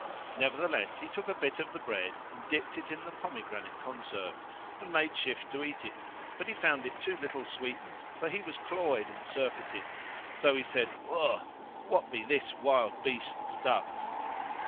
Nevertheless he took a bit of the bread and dipped it in the pomegranate conserve and made shift to eat it, but he found it too little sweetened, for he was cloyed and surfeited, so he said, "Faugh; what be this wild beast [FN#470] stuff?"